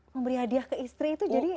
memberi hadiah ke istri itu jadi